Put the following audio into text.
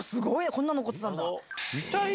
こんなの残ってたんだ。